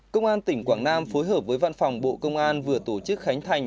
công an tỉnh quảng nam phối hợp với văn phòng bộ công an vừa tổ chức khánh thành